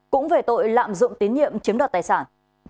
cũng về tội lạm dụng tín nhiệm chiếm đoạt tài sản